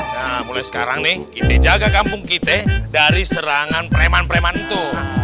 nah mulai sekarang nih kita jaga kampung kita dari serangan preman preman itu